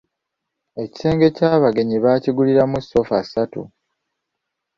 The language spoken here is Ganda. Ekisenge eky'abagenyi baakiguliramu sofa satu.